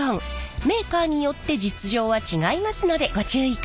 メーカーによって実情は違いますのでご注意ください。